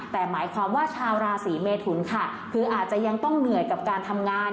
แต่หมายความว่าชาวราศีเมทุนค่ะคืออาจจะยังต้องเหนื่อยกับการทำงาน